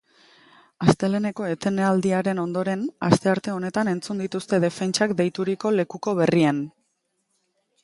Asteleheneko etenaldiaren ondoren, astearte honetan entzun dituzte defentsak deituriko lekuko berrien deklarazioak.